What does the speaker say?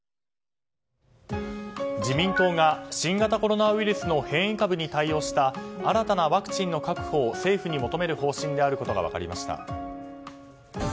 自民党が新型コロナウイルスの変異株に対応した新たなワクチンの確保を政府に求める方針であることが分かりました。